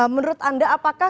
menurut anda apakah